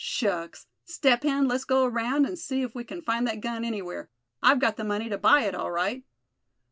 Shucks! Step Hen, let's go around and see if we can find that gun anywhere. I've got the money to buy it all right."